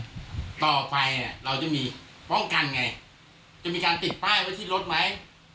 ป้องกันไงจะมีการติดป้ายไว้ที่รถไว้